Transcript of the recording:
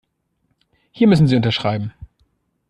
Hier müssen Sie unterschreiben.